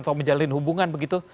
atau menjalin hubungan begitu